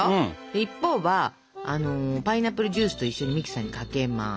一方はあのパイナップルジュースと一緒にミキサーにかけます。